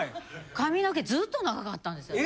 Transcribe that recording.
髪の毛ずっと長かったんです私。